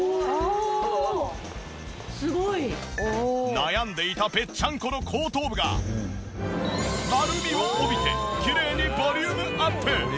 悩んでいたぺっちゃんこの後頭部が丸みを帯びてきれいにボリュームアップ！